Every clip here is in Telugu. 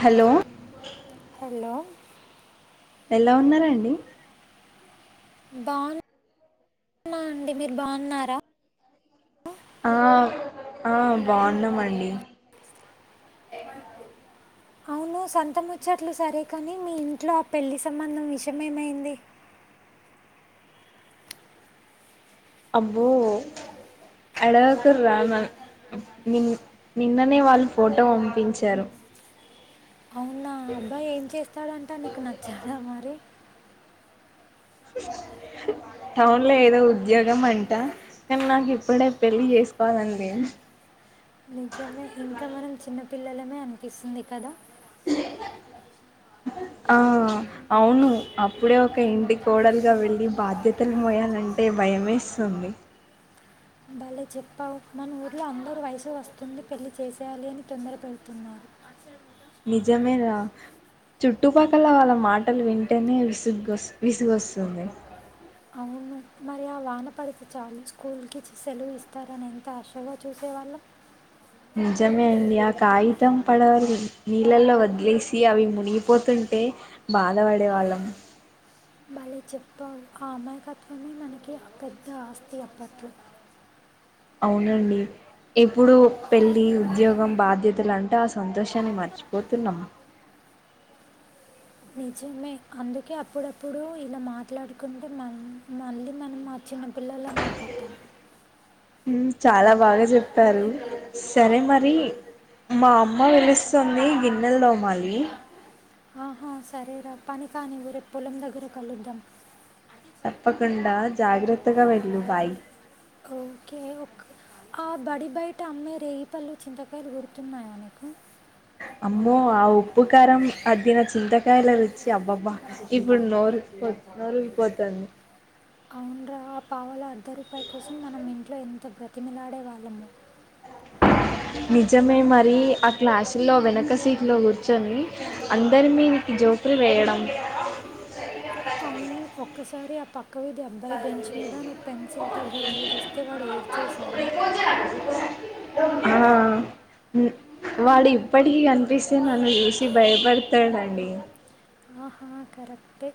హలో హలో ఎలా ఉన్నారండి. బాగున్నా అండి మీరు బాగున్నారా ఆ ఆ బాగున్నామండి అవును. సంత ముచ్చట్లు సరే కానీ మీ ఇంట్ల పెళ్లి సంబంధం విషయేమైంది. అబ్బో అడకురురా నిన్ నిన్ననే వాళ్ళు ఫోటో పంపించారు. అవునా ఏం చేస్తాడంట నీకు నచ్చాడ మ రీ టౌన్ లో ఏదో ఉద్యోగం అంట కానీ నాకు ఇప్పుడే పెళ్ళి చేసుకోవాలని లేదు. నిజమే ఇంకా మనం చిన్న పిల్లలమే అనిపిస్తుంది కదా ఆ అవును అప్పుడే ఒక ఇంటి కోడలుగా వెళ్ళి బాధ్యతలు మోయాలంటే భయమేస్తుంది భలే చెప్పావు మన ఊర్లో అందరు వయసు వస్తుంది. పెళ్ళి చేసేయాలి అని, తొందర పెడుతున్నారు. నిజమే చుట్టుపక్కల వాళ్ళ మాటలు వింటేనే విసుగ్ విసుగొస్తుంది మరి ఆ వాన పడితే చాలు స్కూల్కి సెలవు ఇస్తారని ఎంత ఆశ గా చూసేవాళ్ళం నిజమే అండి ఆ కాగితం పడవలు నీళ్ళల్లో వదిలేసి, అవి మునిగిపోతుంటే బాధపడే వాళ్ళం. భలే చెప్పావ్ ఆ అమాయకత్వమే మనకి పెద్ద ఆస్తి అప్పట్లో అవునండి ఎప్పుడు పెళ్ళి ఉద్యోగం బాధ్యతలంట ఆ సంతోషాన్ని మర్చిపోతున్నామా నిజమే అందుకే అప్పుడప్పుడు ఇలా మాట్లాడుకుంటే మ మళ్ళీ మనం మా చిన్నపిల్లలం అయిపోతాం చాలా బాగా చెప్పారు సరే, మరి మా అమ్మ పి లుస్తుంది. గిన్నెలు తోమాలి. ఆహా సరేరా పని కానివ్వు రేపు పొలం దగ్గర కలుద్దాం. తప్పకుండా జాగ్రత్తగా వెళ్ళు బాయ్ ఓకే ఆ బడి బయట అమ్మే రేగు పళ్ళు చింతకాయలు గుర్తున్నాయా నీకు అమ్మో ఆ ఉప్పు కారం అద్దిన చింతకాయల రుచి అబ్బబ్బా ఇప్పుడు నోరుఊరిపో నోరూరిపోతుంది అవున్రా ఆ పావల అర్ధ రూపాయి కోసం మనం ఇంట్లో ఎంత బ్రత తిమీలాడే వాళ్ళము నిజమే మరీ ఆ క్లాసులో వెనక సీట్లో కూర్చొని అందరిమీకు జోకులు వేయడం అవును ఒక్కసారి పక్కవీధి అబ్బాయి బెంచ్ మీద నువ్వు పెన్సిల్ తొల గి తొలగిస్తే వాడు ఏడ్చేసాడు. ఆ వాడు ఇప్పటికీ కనిపిస్తే నన్ను చూసి భయపడతాడండి. ఆహా కరెక్టే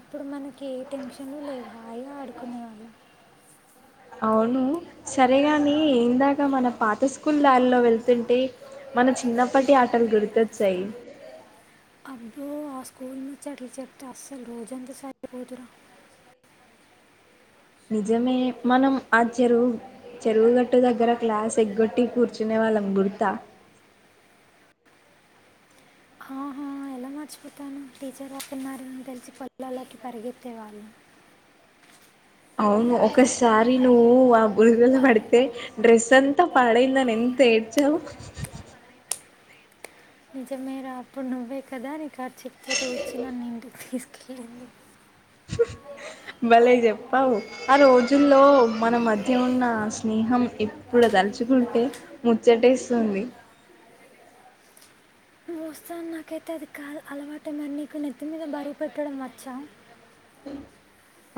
అప్పుడు మనకి ఏ టెన్షన్ లేవు హాయిగా ఆడుకునేవాళ్ళం అవును సరేగాని ఏందాక మన పాత స్కూల్ దారిలో వెళ్తుంటే, మన చిన్నప్పటి ఆటలు గుర్తొచ్చాయి. అబ్బో ఆ స్కూల్ ముచట్లు చెప్తే అస్సలు రోజంతా సరిపోదు రా నిజమే మనం ఆ చెరువు చెరువుగట్టు దగ్గర క్లాస్ ఎగ్గొట్టి కూర్చునే వాళ్ళం బుడతా ఎల మర్చిపోతాను టీచర్ అవ్వుతున్నారని తెలిసి పొలాల్లో కి పరిగెత్తే వాళ్ళం. అవును ఒకసారి నువ్వు ఆ బురుద లో పడితే డ్రెస్ అంతా పాడైందని ఎంత ఏడ్చావు. నిజమే రా అప్పుడు నువ్వే కదా నీకర్చిప్ తో చెప్పి తుడ్చి నన్ను ఇంటికి తీసుకెళ్ళ భలే చెప్పావు ఆ రోజుల్లో మన మధ్య ఉన్న స్నేహం ఇప్పుడు తలుచుకుంటే ముచ్చటేస్తుంది. నువ్వు వస్తాను నాకైతే అది కాదు అలవాటు మరి నీకు నెత్తి మీద బరువు పెట్టడం వచ్చా.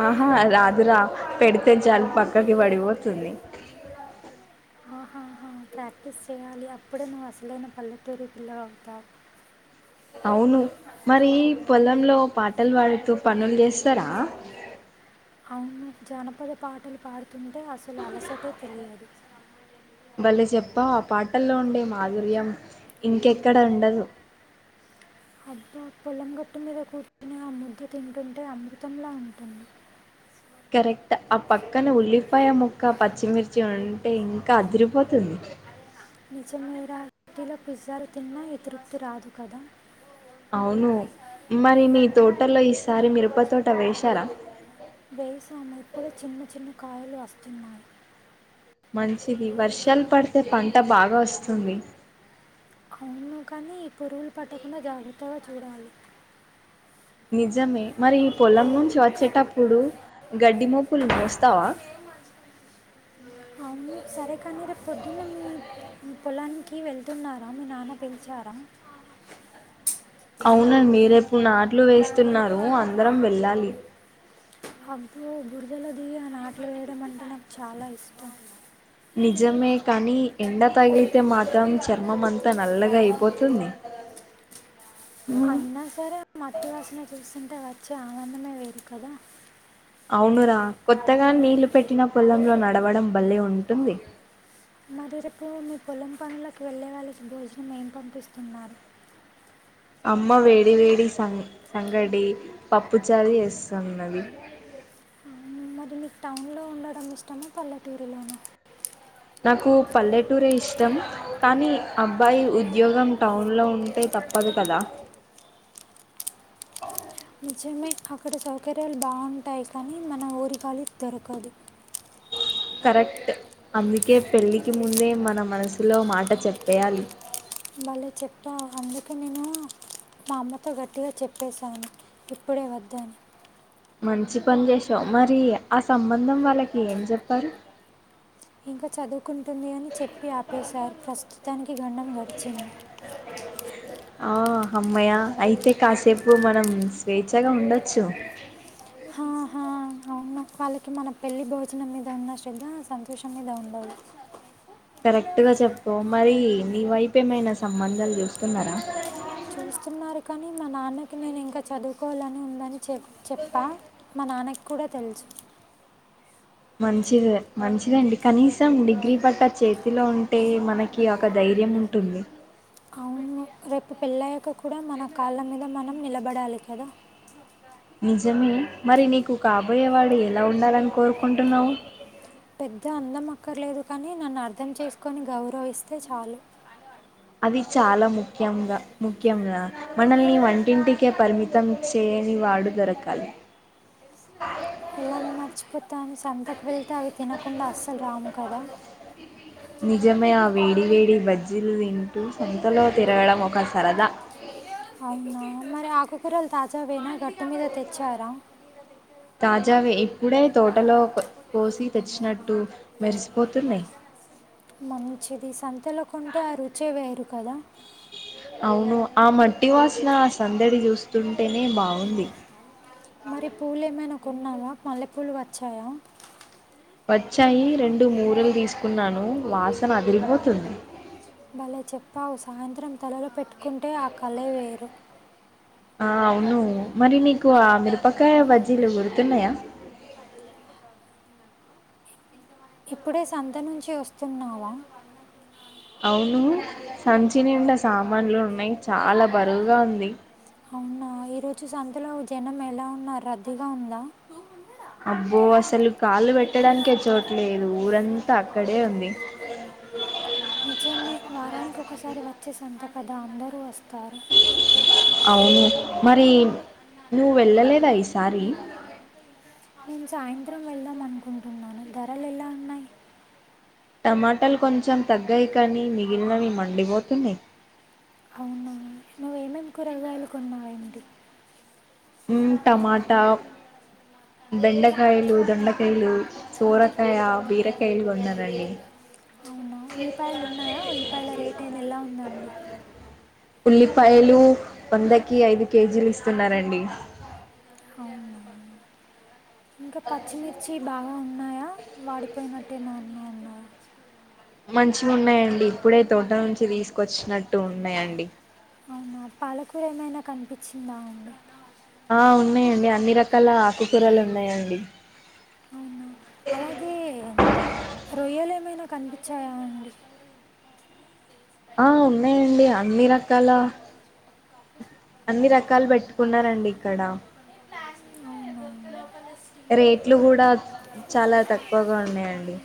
ఆహా రాదు రా పెడితే చాలు పక్కకి పడిపోతుంది. ఆహాహా ప్రాక్టీస్ చేయాలి అప్పుడే నువ్వు అసలైన పల్లెటూ రు పిల్లవు అవుతావు. అవును మరి పొలంలో పాటలు పాడుతూ పనులు చేస్తారా. అవును జానపద పాటలు పాడి తుంటే అసలు అలసటే తెలియదు భలే చెప్పావు ఆ పాటల్లో ఉండే మాధుర్యం ఇంకెక్కడ ఉండదు. అబ్బ పొలం గట్టు మీద కూర్చుని ఆ ముద్ద తింటుంటే, అమృతంలా ఉంటుంది. కరెక్ట్ ఆ పక్కన ఉల్లిపాయ ముక్క పచ్చిమిర్చి ఉంటే, ఇంకా అదిరిపోతుంది. నిజమే రా లో పిజ్జాలు తిన్నా ఇతృప్తి రాదు కదా అవును మరి మీ తోటలో ఈసారి మిరప తోట వేశారా వేసాము ఇప్పుడే చిన్న చిన్న కాయలు వస్తున్నాయి మంచిది వర్షాలు పడితే పంట బాగా వస్తుంది అవును కానీ ఈ పురుగులు పట్టకుండా జాగ్రత్తగా చూడాలి నిజమే మరి ఈ పొలం నుంచి వచ్చేటప్పుడు గడ్డి మొప్పులు మోస్తావా సరే కాని రేపు పొదున్నే మీ పొలాన్ని మీ వెళ్తున్నారా మీ నాన్న పిలిచారా అవునండి రేపు నాట్లు వేస్తున్నారు అందరం వెళ్ళాలి అబ్బో బురదలో దియా నాట్లు వేయడం అంటే నాకు చాలా ఇష్టం నిజమే కానీ ఎండ తగలితే మాతం చర్మం అంతా నల్లగా అయిబోతి ఎమ్మె అయినా సరే మట్టి వాసన చూసి అట్ట వచ్చి ఆవన్న వేరు కదా అవునురా కొత్తగా నీళ్లు పెట్టిన పొలంలో నడవడం బల్లే ఉంటుంది మరి రిపుడు మీ పొలం పనులకు వెళ్ళేవాళ్లకి భోజనం ఏం పంపిస్తున్నారు అమ్మ వేడి వేడి సంగ్ సంగడి పప్పుచారూ చేస్తూన్నది మరి నీకు టౌన్లో ఉండడం ఇష్టమా పల్లెటూరులోనా నాకు పల్లెటూరే ఇష్టం కానీ అబ్బాయి ఉద్యోగం టౌన్లో ఉంటే తప్పదు కదా నిజమే అక్కడ సౌకర్యాలు బాగుంటాయి కానీ మన ఊరికాలీ దొరకదు కరెక్ట్ అందుకే పెళ్ళికి ముందే మన మనసులో మాట చెప్పేయాలి మళ్ళీ చెప్పా అందుకే నేను మా అమ్మతో గట్టిగా చెప్పేశాను ఇప్పుడే వద్దని మంచి పని చేసావు మరి ఆ సంబంధం వాళ్ళకి ఏం చెప్పారు ఇంకా చదువ్ కుంటుంది అని చెప్పి ఆపేశారు ఫస్ట్ మొత్తానికి గండం గడిచింది ఆ అమ్మయ అయితే కాసేపు మనం స్వేచ్ఛగా ఉండచ్చు మ్మ్ వాళ్ళకి మన పెళ్ళి భోజనం మీద ఉన్న శ్రద్ధ సంతోషం మీద ఉండదు కరెక్ట్గా చెప్పవ్ మరి నీ వైపు ఏమైనా సంబంధాలు చూస్తున్నారా చూస్తున్నారు కానీ మా నాన్నకి నేను ఇంకా చదువుకోవాలని ఉందని చె చెప్పా మా నాన్నకి కుడ తెలుసు మంచిది మంచిదండి కనీసం డిగ్రీ పట్టా చేతిలో ఉంటే మనకి ఒక ధైర్యం ఉంటుంది అవును రేపు పెళ్ళయ్యాక కూడా మన కాళ్ళ మీద మనం నిలబడాలి కదా నిజమే మరి నీకు కాబోయేవాడు ఎలా ఉండాలని కోరుకుంటున్నావు పెద్ద అందం అక్కర్లేదు కానీ నన్ను అర్థం చేసుకొని గౌరవిస్తే చాలు అది చాలా ముఖ్యంగా ముఖ్యంగా మనల్ని వంటింటికే పరిమితం చేయని వాడు దొరకాలి ఎలా మర్చిపోతాను సంతకు వెళ్తే అవి తినకుండా అస్సలు రాము కదా నిజమే వేడివేడి బజ్జిలు వింటూ సొంతలో తిరగడం ఒక సరదా అవునా మరి ఆకుకూరలు తాజా వేనా తాజావే ఇప్పుడే తోటలో ఒక్ కోసి తెచ్చినట్టు మురిసిపోతున్నయి మంచిది సంతెలకుంటే ఆ రుచే వేరు కదా అవును ఆ మట్టి వాసన ఆ సందడి చూస్తుంటేనే బాగుంది మరి పూలు ఏమైనా కున్నావా పల్లెపూలు వచ్చాయా వచ్చాయి రెండు మూరలు తీసుకున్నాను వాసన అదిరిపోతుంది భలే చెప్పావు సాయంత్రం తలలో పెట్టుకుంటే ఆ కళ వేరు ఆ అవును మరి నీకు ఆ మిరపకాయ బజ్జీలు గుర్తున్నాయా ఇప్పుడే సంత నుంచే వస్తున్నావా అవును సంచి నిండా సామాన్లు ఉన్నాయి చాలా బరువుగా ఉంది అవునా ఈరోజు సంతలో జనం ఎలా ఉన్నరు రద్దీగా ఉందా అబ్బో అసలు కాళ్లు పెట్టడానికే చోట లేదు ఊరంతా అక్కడే ఉంది నిజమే వారానికి ఒకసారి వచ్చేసంత కదా అందరూ వస్తారు అవును మరి నువ్వు వెళ్ళలేదా ఈసారి నేను సాయంత్రం వెళ్దాం అనుకుంటున్నాను ధరలు ఎలా ఉన్నాయి టమాటాలు కొంచెం తగ్గాయి కానీ మిగిలినవి మండిపోతున్నాయి అవునా నువ్వేమేమి కూరగాయలు కొన్నావేంటి ఉమ్ టమాటా బెండకాయలు దొండకాయలు సోరకాయ బీరకాయలు కొన్నారండి ఉల్లిపాయలు ఉన్నాయా ఉల్లిపాయల రేట్ అయినా ఎలా ఉందండి ఉల్లిపాయలు వందకి ఐదు కేజీలు ఇస్తున్నారండీ అవునా ఇంకా పచ్చిమిర్చి బాగా ఉ ఉన్నాయా వాడిపోయినట్టే ఏమైనా ఉన్నాయా మంచిగ ఉన్నాయండి ఇప్పుడే తోట నుంచి తీసుకొచ్చిన ట్టు ఉన్నాయండి అవునా పాలకూర ఏమైనా కనిపించిందా అండి ఆ ఉన్నాయండి అన్ని రకాల ఆకుకూరలు ఉన్నాయండి అవునా అలాగే రొయ్యలు ఏమైనా కనిపించాయా అండి ఆ ఉన్నాయండి అన్ని రకాల అన్ని రకాలు పెట్టుకున్నారండి ఇక్కడ అవునా? రేట్లు కూడా చాలా తక్కువగా ఉన్నాయండి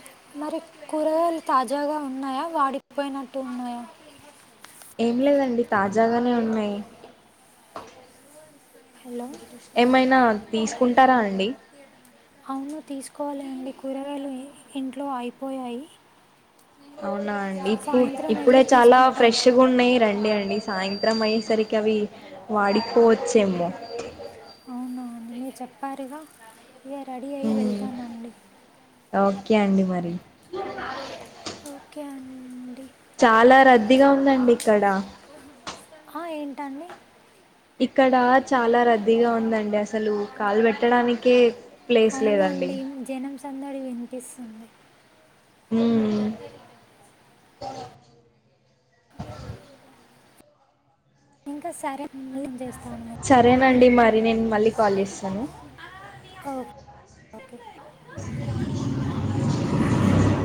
మరి కూరగాయలు తాజాగా ఉన్నాయా వాడి పోయినట్టు ఉన్నాయా ఏం లేదండి తాజాగానే ఉన్నాయి హలో ఏమైనా తీసుకుంటారా అండి అవును తీసుకోవాలండి కూరగాయలు ఇ ఇంట్లో అయిపోయాయి అవునా అండి ఇప్పుడు సాయంత్రం ఇప్పుడే వెళ్ళి చాలా తీసుకుంటాను ఫ్రెష్ గున్నాయి రండి అండి సాయంత్రం అయ్యేసరికి అవి వాడిపోవచ్చేమో అవునా మీరు చెప్పారుగా ఇక రెడీ అయ్యి ఉమ్, వెళ్తానండి ఓకే అండి మరి ఓకే అండి చాలా రద్దీగా ఉందండి ఇక్కడ ఆ ఏంటండి ఇక్కడ చాలా రద్దీగా ఉందండి అసలు కాలు పెట్ ట్టడానికే అవునండి జనం సందడి వినిపిస్తుంది బ ఇంకా సరే మళ్ళీ చేస్తా సరేనండి మర్ అది నేను మళ్ళీ కాల్ చేస్తను ఓకే ఆ